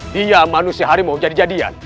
dia manusia harimau jadi jadian